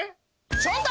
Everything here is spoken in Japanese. ちょっと！